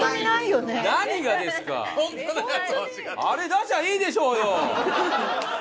あれ出しゃいいでしょうよ！